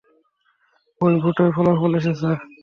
ওই ভোটের ফলাফল এসেছে!